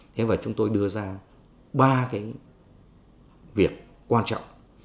nhiều việc quan trọng